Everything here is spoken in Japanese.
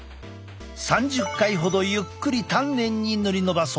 ３０回ほどゆっくり丹念に塗り伸ばそう。